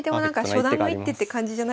初段の一手って感じじゃないけど